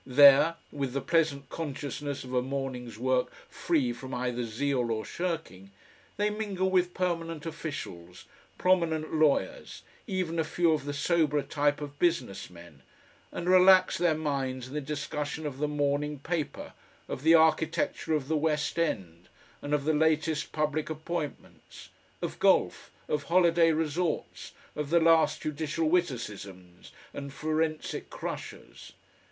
There, with the pleasant consciousness of a morning's work free from either zeal or shirking, they mingle with permanent officials, prominent lawyers, even a few of the soberer type of business men, and relax their minds in the discussion of the morning paper, of the architecture of the West End, and of the latest public appointments, of golf, of holiday resorts, of the last judicial witticisms and forensic "crushers."